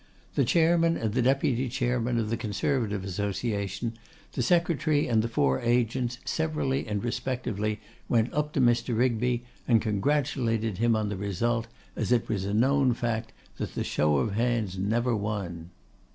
The Chairman and the Deputy Chairman of the Conservative Association, the Secretary, and the four agents, severally and respectively went up to Mr. Rigby and congratulated him on the result, as it was a known fact, 'that the show of hands never won.